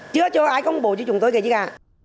chưa cho ai công bố cho chúng tôi cái gì cả